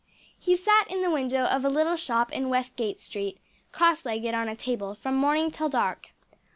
He sat in the window of a little shop in Westgate Street, cross legged on a table, from morning till dark.